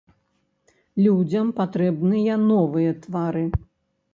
Людзям патрэбныя новыя твары.